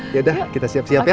yaudah kita siap siap ya